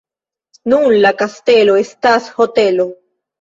Nun la kastelo estas hotelo.